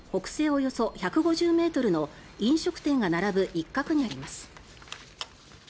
およそ１５０ｍの飲食店が並ぶ一角にあります。